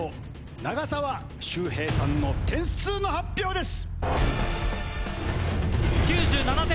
長澤秀平さんの点数の発表です！